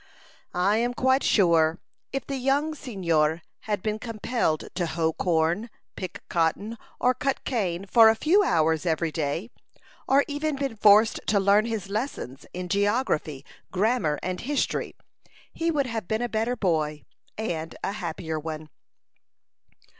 I am quite sure, if the young seignior had been compelled to hoe corn, pick cotton, or cut cane for a few hours every day, or even been forced to learn his lessons in geography, grammar, and history, he would have been a better boy, and a happier one.